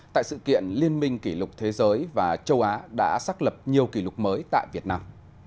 tại sự kiện liên minh kỷ lục thế giới và châu á đã xác lập nhiều kỷ lục mới tại việt nam